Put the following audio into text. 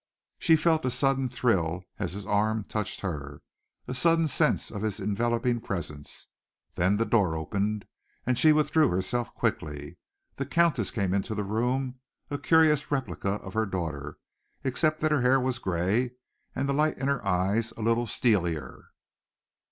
She felt a sudden thrill as his arm touched her, a sudden sense of his enveloping presence. Then the door opened, and she withdrew herself quickly. The Countess came into the room, a curious replica of her daughter, except that her hair was gray, and the light in her eyes a little steelier.